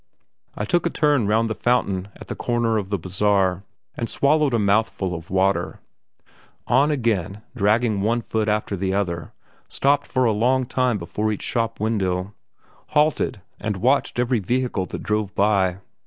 I took a turn round the fountain at the corner of the bazaar, and swallowed a mouthful of water. On again, dragging one foot after the other; stopped for a long time before each shop window; halted, and watched every vehicle that drove by.